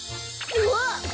うわっ！